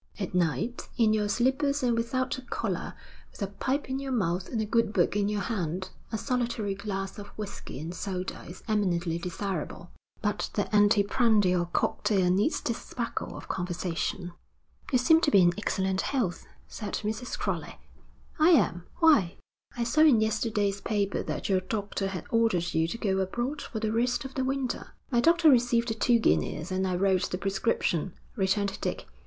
At night, in your slippers and without a collar, with a pipe in your mouth and a good book in your hand, a solitary glass of whisky and soda is eminently desirable; but the anteprandial cocktail needs the sparkle of conversation.' 'You seem to be in excellent health,' said Mrs. Crowley. 'I am. Why?' 'I saw in yesterday's paper that your doctor had ordered you to go abroad for the rest of the winter.' 'My doctor received the two guineas, and I wrote the prescription,' returned Dick.